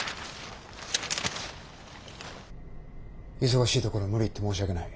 忙しいところ無理言って申し訳ない。